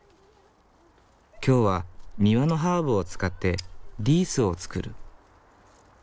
きょうは庭のハーブを使ってリースを作る。